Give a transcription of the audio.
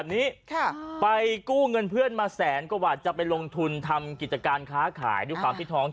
แบบนี้ค่ะไปกู้เงินเพื่อนมาแสนกว่าบาทจะไปลงทุนทำกิจการค้าขายด้วยความที่ท้อง